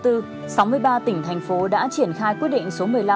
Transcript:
sáu mươi ba tỉnh thành phố đã triển khai quyết định số một mươi năm